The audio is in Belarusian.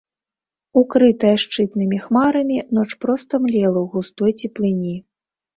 Укрытая шчытнымі хмарамі, ноч проста млела ў густой цеплыні.